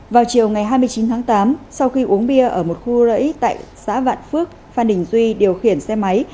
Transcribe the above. vào chiều ngày hai mươi chín tháng tám sau khi uống bia ở một khu rẫy tại xã vạn phước phan đình duy điều khiển xe máy